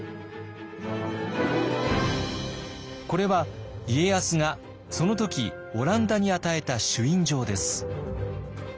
これは家康がその時オランダに与えた朱印状です。